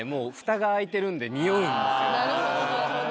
なるほどなるほど。